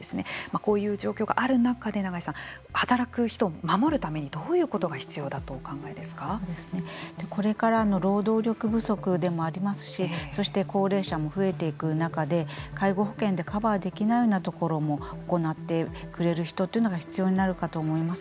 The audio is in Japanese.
こういう状況がある中で永井さん働く人を守るためにどういうことが必要だとこれからの労働力不足でもありますしそして高齢者も増えていく中で介護保険でカバーできないようなところも行ってくれる人というのが必要になるかと思います。